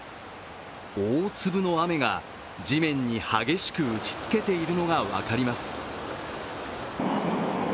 大粒の雨が地面に激しく打ちつけているのが分かります。